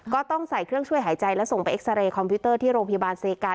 ก็ต้องใส่เครื่องช่วยหายใจและส่งไปเอ็กซาเรย์คอมพิวเตอร์ที่โรงพยาบาลเซกา